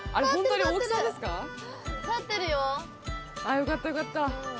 よかったよかった。